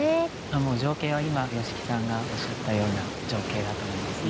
もう情景は今吉木さんがおっしゃったような情景だと思いますね。